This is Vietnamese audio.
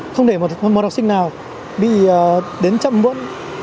không để một học sinh nào bị đến chậm muộn